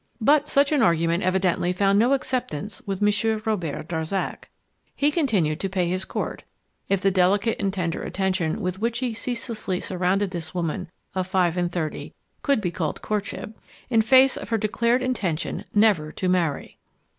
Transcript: But such an argument evidently found no acceptance with Monsieur Robert Darzac. He continued to pay his court if the delicate and tender attention with which he ceaselessly surrounded this woman of five and thirty could be called courtship in face of her declared intention never to marry.